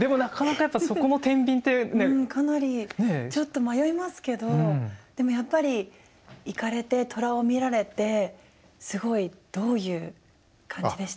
かなりちょっと迷いますけどでもやっぱり行かれてトラを見られてどういう感じでした？